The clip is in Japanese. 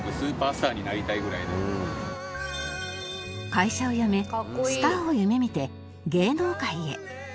会社を辞めスターを夢見て芸能界へ